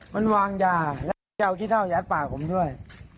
มันวางยาแล้วจะเอาขี้เท่ายัดปากผมด้วย